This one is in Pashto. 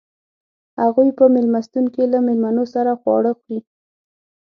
هغوئ په میلمستون کې له میلمنو سره خواړه خوري.